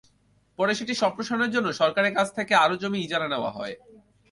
পরে সেটি সম্প্রসারণের জন্য সরকারের কাছ থেকে আরও জমি ইজারা নেওয়া হয়।